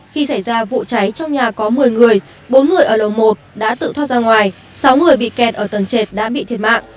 khi xảy ra vụ cháy trong nhà có một mươi người bốn người ở lầu một đã tự thoát ra ngoài sáu người bị kẹt ở tầng trệt đã bị thiệt mạng